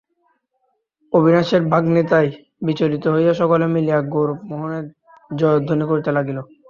অবিনাশের বাগ্মিতায় বিচলিত হইয়া সকলে মিলিয়া গৌরমোহনের জয়ধ্বনি করিতে লাগিল।